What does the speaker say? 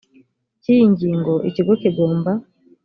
cy iyi ngingo ikigo kigomba